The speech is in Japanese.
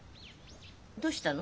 どうしたの？